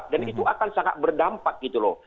dan itu akan sangat berdampak gitu loh